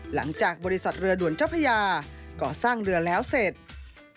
หลังจากบริษัทเรือด่วนเจ้าพญาก่อสร้างเรือแล้วเสร็จ